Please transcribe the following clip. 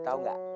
lo tau gak